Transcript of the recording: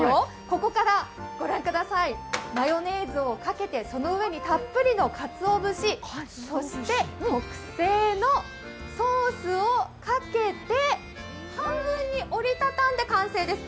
ここからご覧ください、マヨネーズをかけて、その上にたっぷりのかつおぶし、そして特製のソースをかけて半分に折り畳んで完成です。